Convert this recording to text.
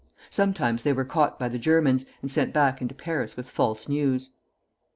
Sometimes they were caught by the Germans, and sent back into Paris with false news.